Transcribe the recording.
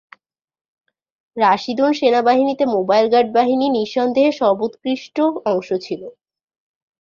রাশিদুন সেনাবাহিনীতে mobile guard বাহিনী নিঃসন্দেহে সর্বোৎকৃষ্ট অংশ ছিল।